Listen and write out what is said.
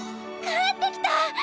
帰ってきた！